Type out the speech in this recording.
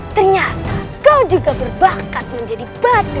ternyata kau juga berbakat menjadi batu